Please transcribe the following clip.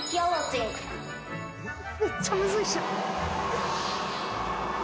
めっちゃむずいじゃん。